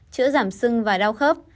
chữa giảm xưng và đau khớp